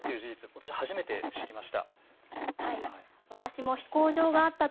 私、初めて知りました。